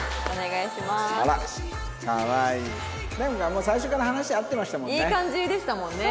いい感じでしたもんね。